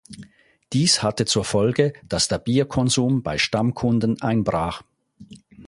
Dies hatte zur Folge, dass der Bierkonsum bei Stammkunden einbrach.